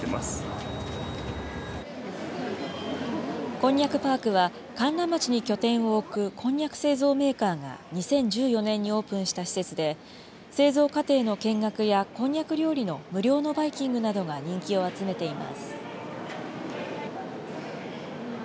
こんにゃくパークは、甘楽町に拠点を置くこんにゃく製造メーカーが２０１４年にオープンした施設で、製造過程の見学や、こんにゃく料理の無料のバイキングなどが人気を集めています。